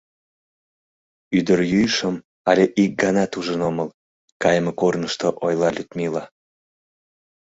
Ӱдырйӱышым але ик ганат ужын омыл, — кайыме корнышто ойла Людмила.